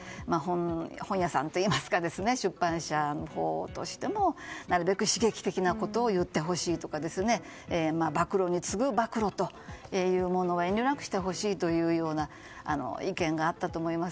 本屋さんというか出版社としてもなるべく刺激的なことを言ってほしいとか暴露に次ぐ暴露というものを遠慮なくしてほしいというような意見があったと思います。